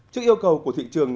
trước yêu cầu của thị trường